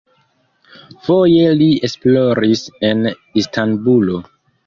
Foje li esploris en Istanbulo.